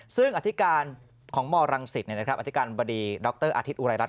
ซึ่งอธิการของมรังสิตอธิการบดีดรอาทิตยอุรายรัฐ